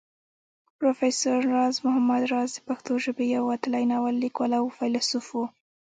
پروفېسر راز محمد راز د پښتو ژبې يو وتلی ناول ليکوال او فيلسوف وو